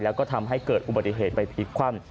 แล้วก็ทำให้เกิดอุบัติเหตุไปพลิกคว่ำ